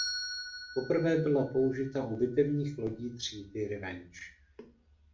Poprvé byla použita u bitevních lodí třídy "Revenge".